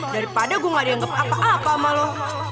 daripada gue gak dianggap apa apa sama lo